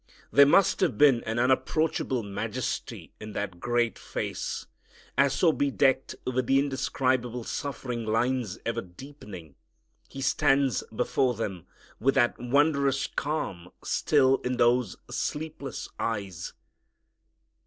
There must have been an unapproachable majesty in that great face, as so bedecked, with the indescribable suffering lines ever deepening, He stands before them with that wondrous calm still in those sleepless eyes.